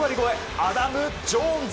アダム・ジョーンズ。